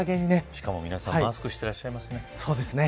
しかも皆さんマスクしてらっしゃいますね。